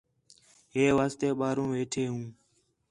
ہے واسطے ٻاہروں ویٹھے ہوں